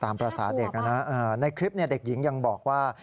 ภาษาเด็กนะในคลิปเด็กหญิงยังบอกว่า